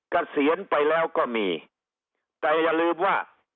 เกษียณไปแล้วก็มีแต่อย่าลืมว่า